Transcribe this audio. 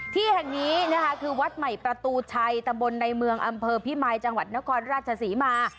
ที่แห่งนี้นะคะคือวัดใหม่ประตูชัยตำบลในเมืองอำเภอพิมายจังหวัดนครราชศรีมา